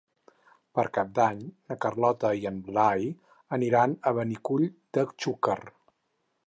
Per Cap d'Any na Carlota i en Blai aniran a Benicull de Xúquer.